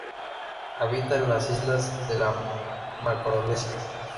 Habita en las islas de la Macaronesia.